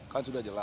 kan sudah jelas